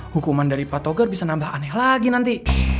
hukuman dari patogar bisa nambah aneh lagi nanti